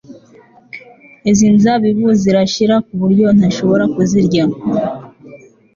Izi nzabibu zirasharira kuburyo ntashobora kuzirya